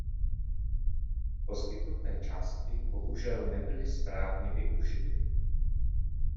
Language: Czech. Poskytnuté částky bohužel nebyly správně využity.